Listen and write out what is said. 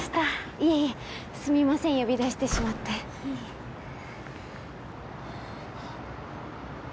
いえいえすみません呼び出してしまっていえいえ